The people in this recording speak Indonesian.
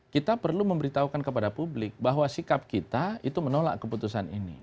kita perlu memberitahukan kepada publik bahwa sikap kita itu menolak keputusan ini